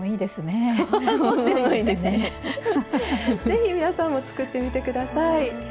是非皆さんも作ってみて下さい。